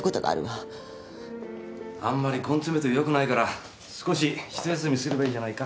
あんまり根詰めてもよくないから少しひと休みすればいいじゃないか。